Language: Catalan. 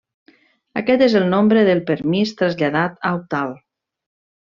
Aquest és el nombre del permís traslladat a octal.